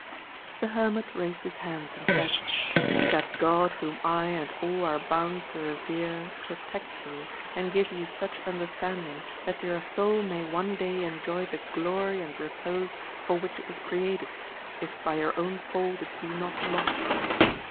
The hermit raised his hands, and said. That God whom I and all are bound to revere, protect you and give you such understanding, that your soul may one day enjoy the glory and repose for which it was created, if by your own fault it be not lost.